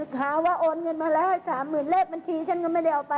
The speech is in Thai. หาว่าโอนเงินมาแล้วให้๓๐๐๐เลขบัญชีฉันก็ไม่ได้เอาไป